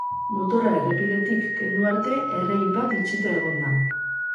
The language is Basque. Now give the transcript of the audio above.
Motorra errepidetik kendu arte, errei bat itxita egon da.